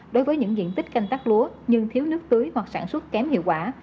đối với những diện tích canh tác lúa nhưng thiếu nước tưới hoặc sản xuất kém hiệu quả